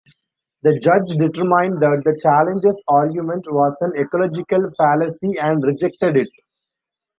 The judge determined that the challengers' argument was an ecological fallacy and rejected it.